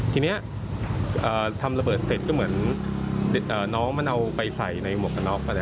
ทีนี้ทำระเบิดเสร็จก็เหมือนน้องมันเอาไปใส่ในหมวกกันน็อกไปแล้ว